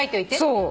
そう。